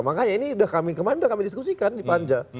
makanya ini kemarin udah kami diskusikan di panja